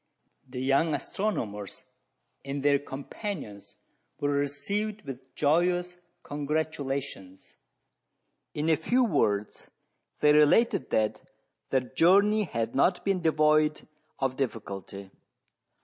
The young astronomers and their companions were received with joyous congratulations. In a few words they related that their journey had not been devoid of difficulty.